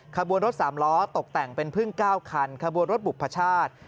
ขบวนรถ๓ล้อตกแต่งเป็นพึ่ง๙คันขบวนรถบุพชาติ